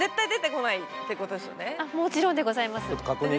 もちろんでございます。